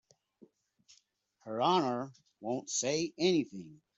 Her Honor won't say anything.